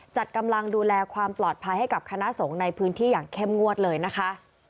จัดกำลังดูแลความปลอดภัยให้กับคณะสงฆ์ในพื้นที่อย่างเข้มงวดเลยนะคะ